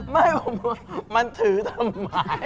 ไม่มันถือทำไง